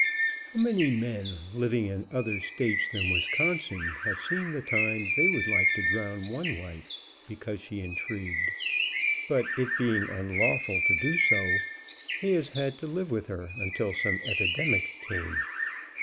How many men, living in other states than Wiscon sin, have seen the time they would like to drown one wife, because she intrigued, but it being unlawful to do so, he has had to live with her until some epi demic came.